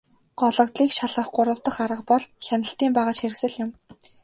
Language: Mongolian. Гологдлыг шалгах гурав дахь арга бол хяналтын багажхэрэгслэл юм.